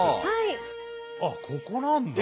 あっここなんだ。